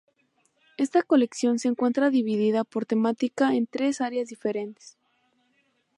Esta colección se encuentra dividida por temática en tres áreas diferentes.